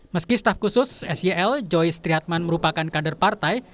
meski staf khusus sel joyce triatman merupakan kader partai